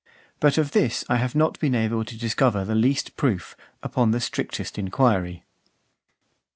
But of this I have not been able to discover the least proof, upon the strictest inquiry.